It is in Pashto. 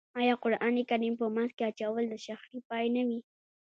آیا قرآن کریم په منځ کې اچول د شخړې پای نه وي؟